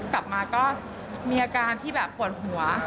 กลับมาก็มีอาการที่แบบปวดหัว